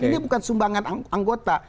ini bukan sumbangan anggota